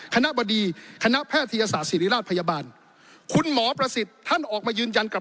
คณะบดีคณะแพทยศาสตร์ศิริราชพยาบาลคุณหมอประสิทธิ์ท่านออกมายืนยันกับ